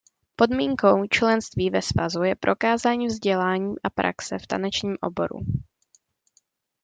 Podmínkou členství ve svazu je prokázání vzdělání a praxe v tanečním oboru.